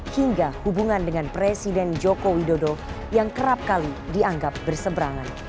hingga hubungan dengan presiden joko widodo yang kerap kali dianggap berseberangan